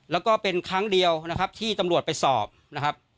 แล้วก็เป็นครั้งเดียวนะครับที่ตำรวจไปสอบนะครับ